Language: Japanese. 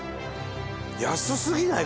安すぎない？